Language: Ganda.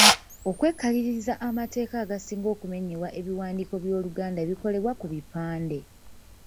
Okwekaliriza amateeka agasinga okumenyebwa ebiwandiiko by'Oluganda ebikolebwa ku bipande.